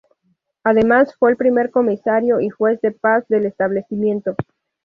Además, fue el primer comisario y juez de paz del establecimiento.